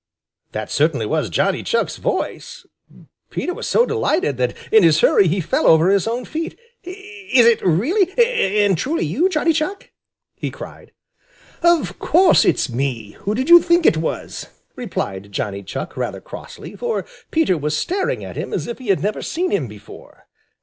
That certainly was Johnny Chuck's voice. Peter was so delighted that in his hurry he fell over his own feet. "Is it really and truly you, Johnny Chuck?" he cried. "Of course it's me; who did you think it was?" replied Johnny Chuck rather crossly, for Peter was staring at him as if he had never seen him before.